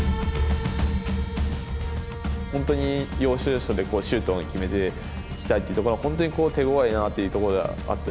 本当に要所要所でシュートを決めてきたっていうところは本当に手ごわいなっていうとこがあって。